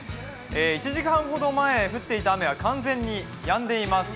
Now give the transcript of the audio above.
１時間ほど前降っていた雨は完全にやんでいます。